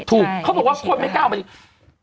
ใช่เขาบอกว่าคนไม่กล้าออกมาฉีด